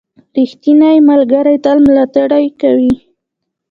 • ریښتینی ملګری تل ملاتړ کوي.